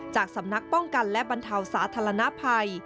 จากสำนักป้องกันและบรรเทาสาธารณภัย